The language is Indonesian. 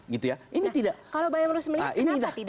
kalau bayang bayang melihat